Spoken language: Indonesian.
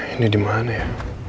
ini dimana ya